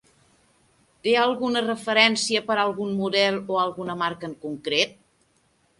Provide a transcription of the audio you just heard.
Té alguna referència per algun model o alguna marca en concret?